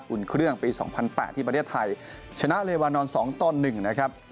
อุ่นเครื่องปี๒๐๐๘ที่ประเทศไทยชนะเลวานอน๒ต่อ๑นะครับ